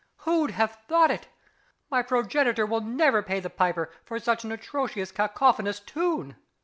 Who'd have thought it? My Progenitor will never pay the piper for such an atrociously cacophonous tune....